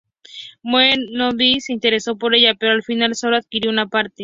Manuel Godoy se interesó por ella, pero al final solo adquirió una parte.